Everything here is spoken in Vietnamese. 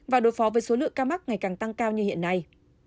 và đối phó với số lượng ca mắc ngày càng tăng cao như hiện nay